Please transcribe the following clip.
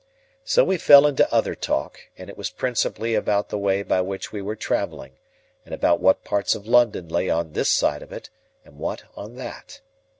So we fell into other talk, and it was principally about the way by which we were travelling, and about what parts of London lay on this side of it, and what on that.